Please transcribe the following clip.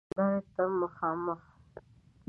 هیندارې ته مخامخ